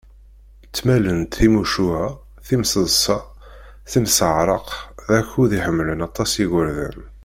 Ttmalen-d timucuha, timseḍsa, timseɛraq, d akud iḥemmlen aṭas yigerdan.